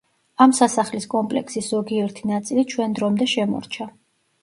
ამ სასახლის კომპლექსის ზოგიერთი ნაწილი ჩვენ დრომდე შემორჩა.